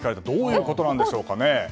どういうことなんでしょうかね。